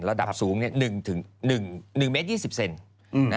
ระดับสูง๑เมตร๒๐เซน